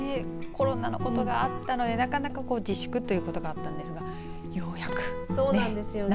コロナのことがあったのでなかなか自粛ということだったんですがようやく、ね。